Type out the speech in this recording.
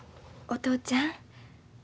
お父ちゃん。